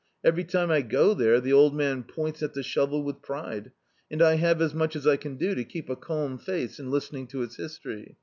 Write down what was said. Every time I go there the old man points at the shovel with pride, and I have as much as I can do to keep a calm face in listening to its history.